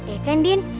iya kan din